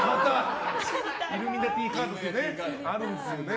イルミナティカードってあるんですよね。